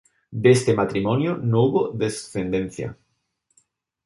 De este matrimonio no hubo descendencia.